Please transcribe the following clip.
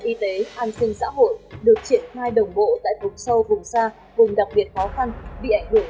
y tế an sinh xã hội được triển khai đồng bộ tại vùng sâu vùng xa vùng đặc biệt khó khăn bị ảnh hưởng